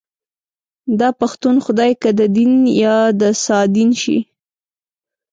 داپښتون خدای که ددين يا دسادين شي